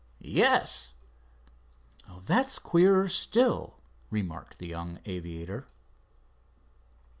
"Yes." "That's queerer still," remarked the young aviator.